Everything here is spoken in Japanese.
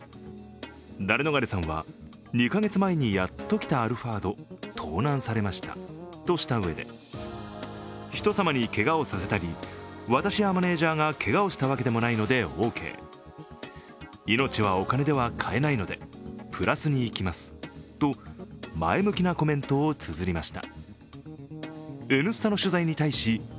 ダレノガレさんは２か月前にやっときたアルファード盗難されましたとしたうえでひとさまにけがをさせたり、私やマネージャーがけがをしたわけでもないので、オーケー、命はお金では買えないのでプラスにいきますと前向きなコメントをつづりました。